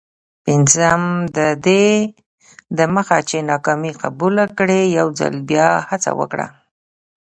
پنځم: ددې دمخه چي ناکامي قبوله کړې، یوځل بیا هڅه وکړه.